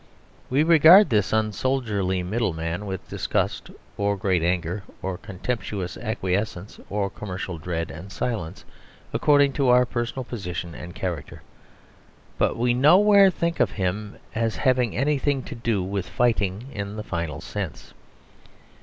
We regard this unsoldierly middleman with disgust, or great anger, or contemptuous acquiescence, or commercial dread and silence, according to our personal position and character. But we nowhere think of him as having anything to do with fighting in the final sense.